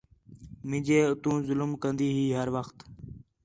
مینجے اتو ظلم کندی ہی ہر وخت